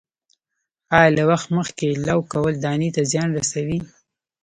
آیا له وخت مخکې لو کول دانې ته زیان رسوي؟